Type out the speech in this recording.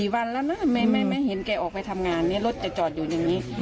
วันแล้วนะไม่เห็นแกออกไปทำงานรถจะจอดอยู่อย่างนี้